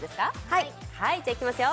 はいじゃあいきますよ